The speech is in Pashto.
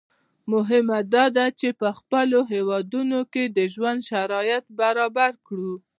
مهمه دا ده چې په خپلو هېوادونو کې د ژوند شرایط برابر کړو.